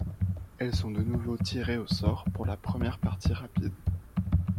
Elles sont de nouveau tirées au sort pour la première partie rapide.